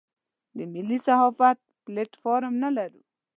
د ملي صحافت پلیټ فارم نه لرو.